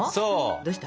どうした？